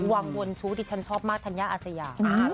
วังวนชู้ดิฉันชอบมากธัญญาอาสยา